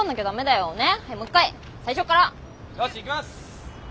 よしいきます！